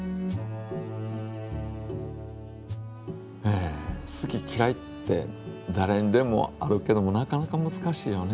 え好ききらいってだれにでもあるけどもなかなかむずかしいよね